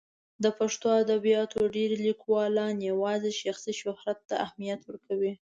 د پښتو ادبیاتو ډېری لیکوالان یوازې شخصي شهرت ته اهمیت ورکوي.